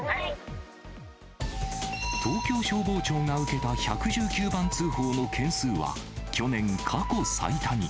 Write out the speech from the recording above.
東京消防庁が受けた１１９番通報の件数は、去年、過去最多に。